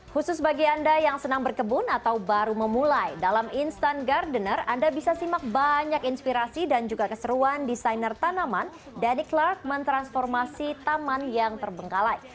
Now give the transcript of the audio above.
khusus bagi anda yang senang berkebun atau baru memulai dalam instant gardener anda bisa simak banyak inspirasi dan juga keseruan desainer tanaman danny clark mentransformasi taman yang terbengkalai